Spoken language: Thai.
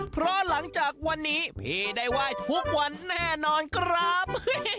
เพราะหลังจากวันนี้พี่ได้ไหว้ทุกวันแน่นอนครับ